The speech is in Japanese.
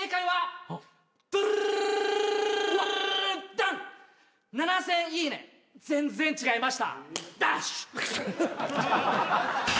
はい。